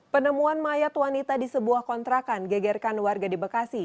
penemuan mayat wanita di sebuah kontrakan gegerkan warga di bekasi